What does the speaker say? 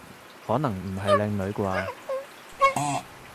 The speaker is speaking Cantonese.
可能唔係靚女啩？